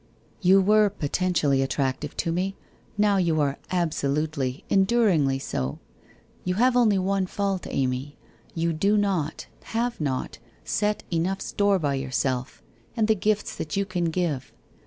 ' You were potentially attractive to me, now you are absolutely, enduringly, so. You have only one fault, Amy, you do not, have not, set enough store by yourself, and the gifts that you can give.